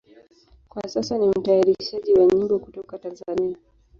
Kwa sasa ni mtayarishaji wa nyimbo kutoka Tanzania.